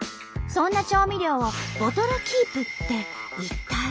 そんな調味料をボトルキープって一体？